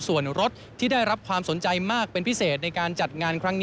ส่วนรถที่ได้รับความสนใจมากเป็นพิเศษในการจัดงานครั้งนี้